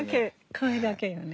声だけよね。